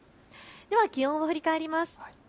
気温を振り返ります。